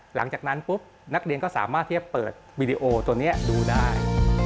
หลังจากนั้นปุ๊บนักเรียนก็สามารถที่จะเปิดวีดีโอตัวนี้ดูได้